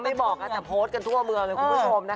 ก็ไม่บอกแต่โพสต์กันทั่วเมืองคุณผู้ชมนะคะ